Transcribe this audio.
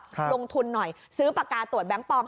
ลงทุนหน่อยซื้อปากกาตรวจแบงค์ปลอม